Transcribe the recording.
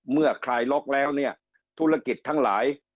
คลายล็อกแล้วเนี่ยธุรกิจทั้งหลาย